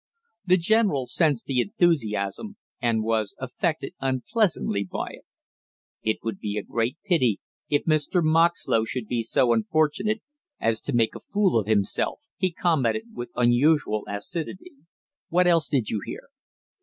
The general sensed the enthusiasm and was affected unpleasantly by it. "It would be a great pity if Mr. Moxlow should be so unfortunate as to make a fool of himself!" he commented with unusual acidity. "What else did you hear?"